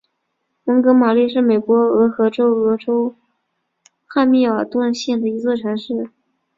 蒙哥马利是美国俄亥俄州汉密尔顿县的一座城市。